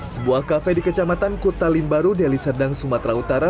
sebuah kafe di kecamatan kutalimbaru deli serdang sumatera utara